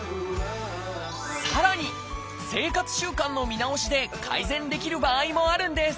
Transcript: さらに生活習慣の見直しで改善できる場合もあるんです。